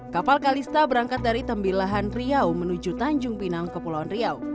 kapal kalista berangkat dari tembilahan riau menuju tanjung pinang kepulauan riau